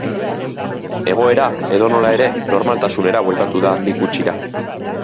Egoerak, edonola ere, normaltasunera bueltatu da handik gutxira.